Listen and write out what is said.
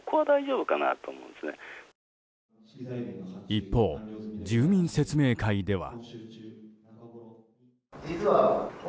一方、住民説明会では。